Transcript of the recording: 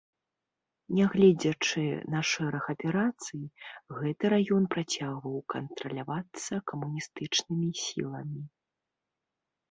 Нягледзячы на шэраг аперацый, гэты раён працягваў кантралявацца камуністычнымі сіламі.